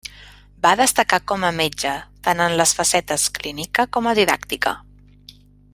Va destacar com a metge tant en les facetes clínica com a didàctica.